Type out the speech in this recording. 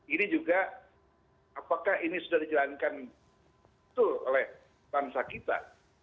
ini juga apakah ini sudah dijalankan betul oleh bangsa kita